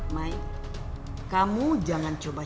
mai kamu jangan coba